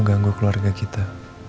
ganggu keluarga kita